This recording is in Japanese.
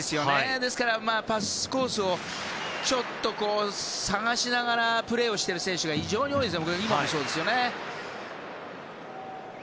ですからパスコースを探しながらプレーをしている選手が非常に多いですね。